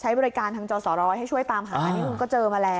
ใช้บริการทางจอสร้อยให้ช่วยตามหานี่คุณก็เจอมาแล้ว